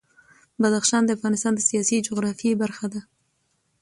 بدخشان د افغانستان د سیاسي جغرافیه برخه ده.